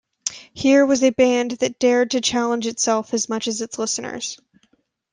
Here was a band that dared to challenge itself as much as their listeners.